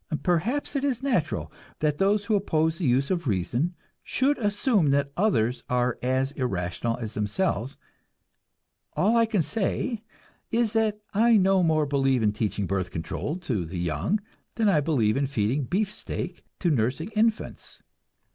Perhaps it is natural that those who oppose the use of reason should assume that others are as irrational as themselves. All I can say is that I no more believe in teaching birth control to the young than I believe in feeding beefsteak to nursing infants.